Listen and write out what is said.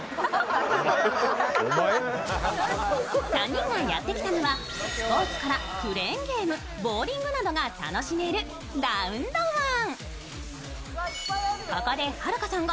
３人がやってきたのは、スポーツからクレーンゲーム、ボウリングなどが楽しめるラウンドワン。